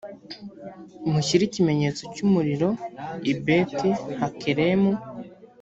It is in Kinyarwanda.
mushyire ikimenyetso cy umuriro i beti hakeremu